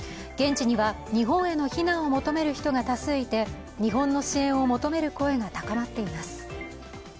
現地には日本への避難を求める人が多数いて日本の支援を求める声が高まっています。